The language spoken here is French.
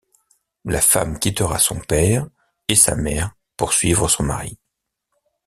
La femme quittera son père et sa mère pour suivre son mari.